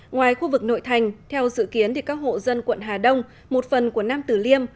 ngoài khu vực nội thành theo dự kiến các hộ dân quận hà đông một phần quận nam tử liêm